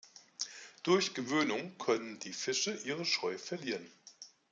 Durch Gewöhnung können die Fische ihre Scheu verlieren.